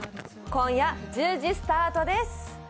今夜１０時スタートです。